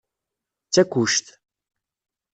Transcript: D takuct.